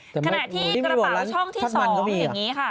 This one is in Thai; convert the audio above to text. ขณะที่กระเป๋าช่องที่๒อย่างนี้ค่ะ